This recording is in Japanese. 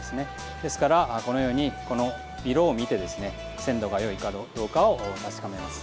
ですから、このように色を見て鮮度がよいかどうかを確かめます。